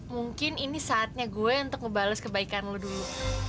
mungkin ini saatnya gue untuk ngebales kebaikan lo dulu